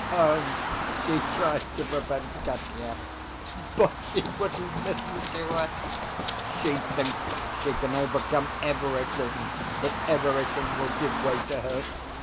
So she tried to prevent Katya, but she wouldn't listen to her! She thinks she can overcome everything, that everything will give way to her.